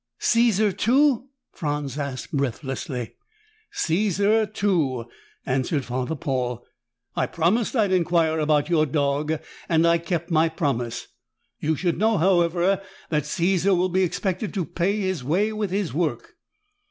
"Caesar, too?" Franz asked breathlessly. "Caesar, too," answered Father Paul. "I promised I'd inquire about your dog, and I kept my promise. You should know, however, that Caesar will be expected to pay his way with his work."